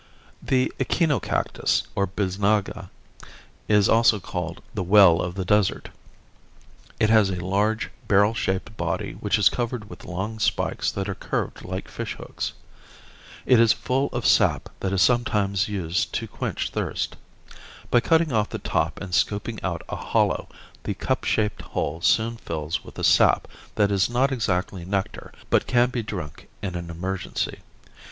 The echinocactus, or bisnaga, is also called "The Well of the Desert." It has a large barrel shaped body which is covered with long spikes that are curved like fishhooks. It is full of sap that is sometimes used to quench thirst. By cutting off the top and scooping out a hollow, the cup shaped hole soon fills with a sap that is not exactly nectar but can be drunk in an emergency.